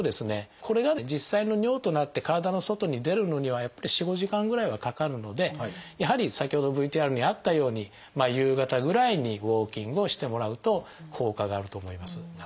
これが実際の尿となって体の外に出るのには４５時間ぐらいはかかるのでやはり先ほどＶＴＲにあったように夕方ぐらいにウォーキングをしてもらうと効果があると思います。